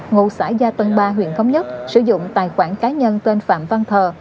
ngụ xã gia tân ba huyện thống nhất sử dụng tài khoản cá nhân tên phạm văn thờ